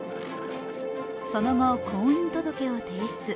その後、婚姻届を提出。